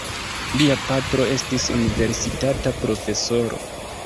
Lia patro estis universitata profesoro.